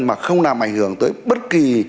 mà không làm ảnh hưởng tới bất kỳ